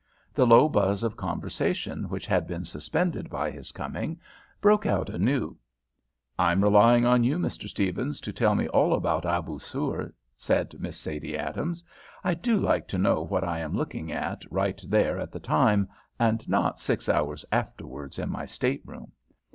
The low buzz of conversation which had been suspended by his coming broke out anew. "I'm relying on you, Mr. Stephens, to tell me all about Abousir," said Miss Sadie Adams. "I do like to know what I am looking at right there at the time, and not six hours afterwards in my state room.